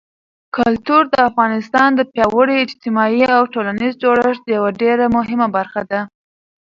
کلتور د افغانستان د پیاوړي اجتماعي او ټولنیز جوړښت یوه ډېره مهمه برخه ده.